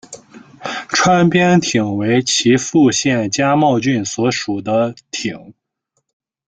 川边町为岐阜县加茂郡所辖的町。